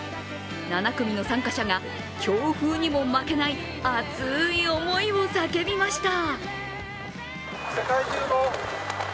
７組の参加者が強風にも負けない熱い思いを叫びました。